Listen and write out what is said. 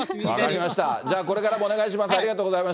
分かりました、じゃあこれからもお願いします。